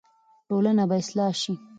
ټولنه به اصلاح شي.